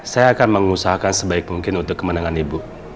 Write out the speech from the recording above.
saya akan mengusahakan sebaik mungkin untuk kemenangan ibu